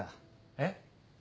えっ？